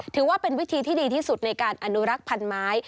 ถือว่าเป็นวิธีที่ดีที่สุดในการอนุรักษ์พันธุ์ไม้